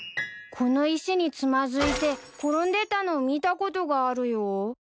この石につまずいて転んでたのを見たことがあるよ。